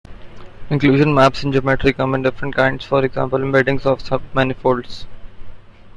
Inclusion maps in geometry come in different kinds: for example embeddings of submanifolds.